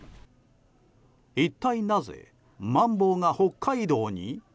一体なぜ、マンボウが北海道に？